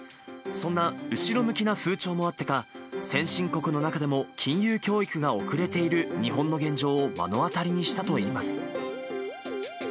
そんな後ろ向きな風潮もあってか、先進国の中でも金融教育が遅れている日本の現状を目の当たりにしたといいます。